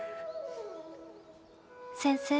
「先生